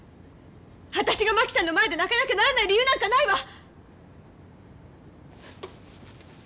私が真紀さんの前で泣かなきゃならない理由なんかないわ！